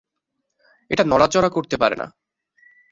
এটা নড়াচড়া করতে পারে না।